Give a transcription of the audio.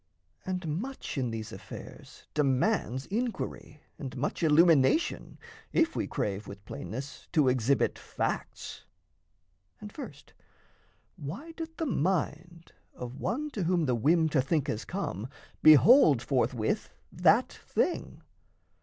And much in these affairs demands inquiry, And much, illumination if we crave With plainness to exhibit facts. And first, Why doth the mind of one to whom the whim To think has come behold forthwith that thing?